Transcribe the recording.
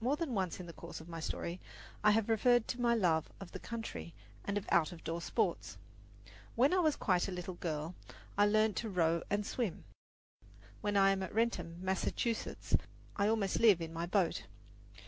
More than once in the course of my story I have referred to my love of the country and out of door sports. When I was quite a little girl, I learned to row and swim, and during the summer, when I am at Wrentham, Massachusetts, I almost live in my boat.